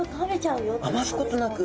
余すことなく。